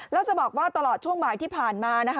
แล้วจะบอกว่าตลอดช่วงบ่ายที่ผ่านมานะคะ